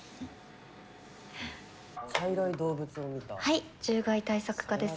はい獣害対策課です。